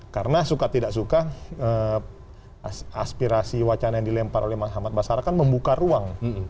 karena suka tidak suka aspirasi wacana yang dilempar oleh mas ahmad basarah kan membuka ruang